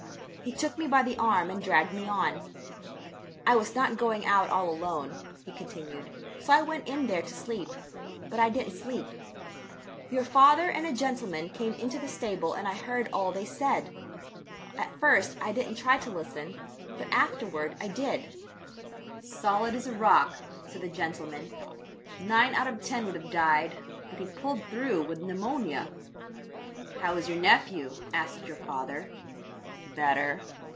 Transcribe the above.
He took me by the arm and dragged me on. "I was not going out all alone," he continued, "so I went in there to sleep, but I didn't sleep. Your father and a gentleman came into the stable and I heard all they said; at first I didn't try to listen but afterward I did. "'Solid as a rock,' said the gentleman; 'nine out of ten would have died, but he pulled through with pneumonia.' "'How is your nephew?' asked your father. "'Better.